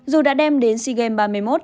dù đã đem đến sea games ba mươi một